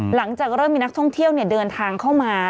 หลังจากเริ่มมีนักท่องเที่ยวเดินทางเข้ามา